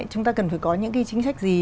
chúng ta cần phải có những chính sách gì